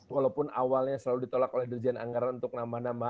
walaupun awalnya selalu ditolak oleh dirjen anggaran untuk nama nama